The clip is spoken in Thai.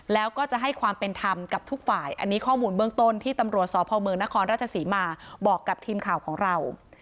แล้วก็จะให้ความเป็นธรรมกับทุกฝ่ายอันนี้ข้อมูลเบื้องต้นที่ตำรวจสพเมืองนครราชศรีมาบอกกับทีมข่าวของเรา